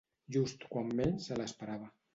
Just quan menys se l'esperava.